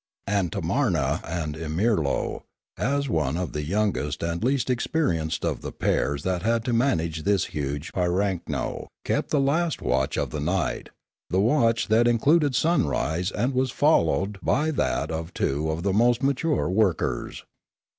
And Tamarna and Omirlo, as one of the youngest and least experienced of the pairs that had to manage this huge pirakno, kept the last watch of the night, the watch that included sunrise and was followed by that 346 Limanora of two of the most mature workers.